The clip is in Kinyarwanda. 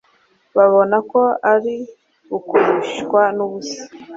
babona ko ari ukurushywa n’ubusa